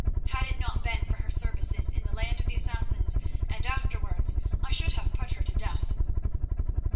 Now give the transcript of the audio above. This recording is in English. Had it not been for her services in the land of the Assassins and afterwards, I should have put her to death."